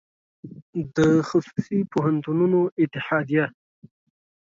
د خصوصي پوهنتونونو اتحادیه